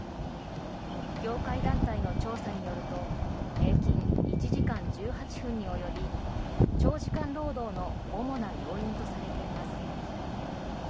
業界団体の調査によると平均１時間１８分に及び長時間労働の主な要因とされています。